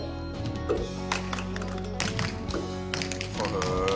へえ。